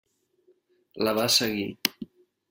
La va seguir.